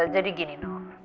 jadi gini noh